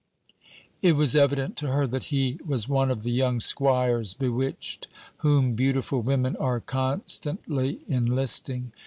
It was evident to her that he was one of the young squires bewitched whom beautiful women are constantly enlisting.